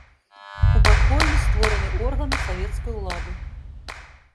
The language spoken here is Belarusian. У падполлі створаны органы савецкай улады.